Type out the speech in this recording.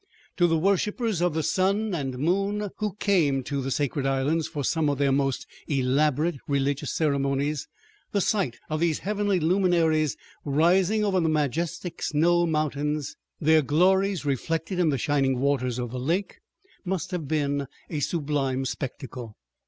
To the worshipers of the sun and moon, who came to the sacred islands for some of their most elaborate religious ceremonies, the sight of those heavenly luminaries, rising over the majestic snow mountains, their glories reflected in the shining waters of the lake, must have been a sublime spectacle.